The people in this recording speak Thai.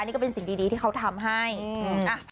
นี่ก็เป็นสิ่งดีดีที่เขาทำให้อืมอ่ะ